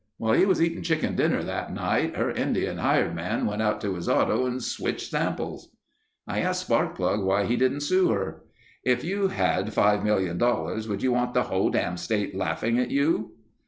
"While he was eating chicken dinner that night, her Indian hired man went out to his auto and switched samples." I asked Sparkplug why he didn't sue her. "If you had $5,000,000 would you want the whole dam' state laughing at you?"